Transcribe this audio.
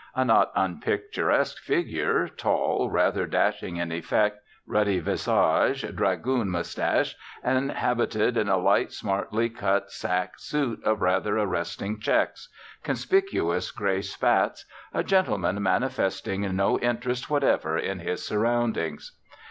A not unpicturesque figure, tall, rather dashing in effect, ruddy visage, dragoon moustache, and habited in a light, smartly cut sack suit of rather arresting checks, conspicuous grey spats; a gentleman manifesting no interest whatever in his surroundings.